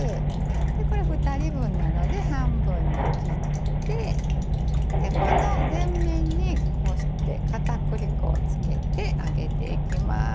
でこれは２人分なので半分に切ってこの全面にこうして片栗粉をつけて揚げていきます。